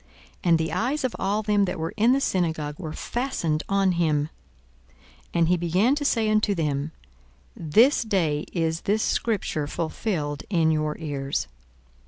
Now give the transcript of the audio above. And the eyes of all them that were in the synagogue were fastened on him. 42:004:021 And he began to say unto them, This day is this scripture fulfilled in your ears.